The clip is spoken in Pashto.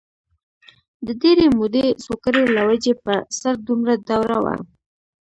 د ډېرې مودې سوکړې له وجې په سړک دومره دوړه وه